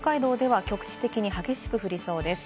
北海道では局地的に激しく降りそうです。